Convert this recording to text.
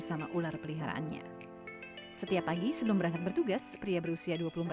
koleksi ular periharannya ini sebagian ia dapatkan saat bertugas sebagai relawan bpbd